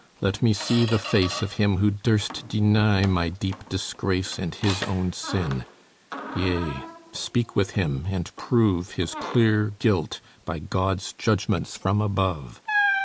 Let me see the face Of him who durst deny my deep disgrace And his own sin; yea, speak with him, and prove His clear guilt by God's judgments from above.